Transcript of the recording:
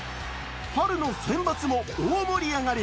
春のセンバツも大盛り上がり